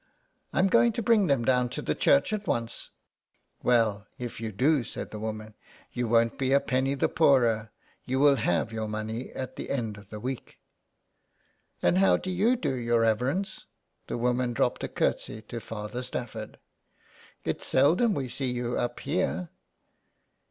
" I am going to bring them down to the church at once." *' Well if you do," said the woman, '' you won't be a penny the poorer ; you will have your money at the SOME PARISHIONERS. end of the week. And how do you do, your reverence." The woman dropped a curtsey to Father Stafford. " It's seldom we see you up here."